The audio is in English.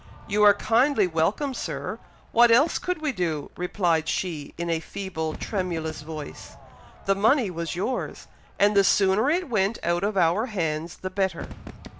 "You are kindly welcome, Sir! What else could we do!" replied she, in a feeble, tremulous voice. "The money was yours, and the sooner it went out of our hands the better."